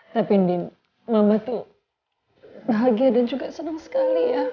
tapi mama tuh bahagia dan juga senang sekali ya